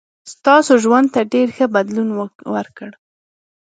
ستاسو ژوند ته ډېر ښه بدلون ورکړ.